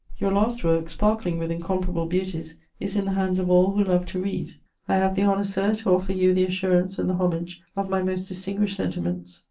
Your last work, sparkling with incomparable beauties, is in the hands of all who love to read. "I have the honour, sir, to offer you the assurance and the homage of my most distinguished sentiments.